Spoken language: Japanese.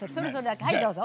はいどうぞ。